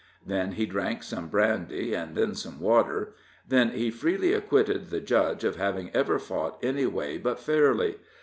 Then he drank some brandy, and then some water; then he freely acquitted the Judge of having ever fought any way but fairly.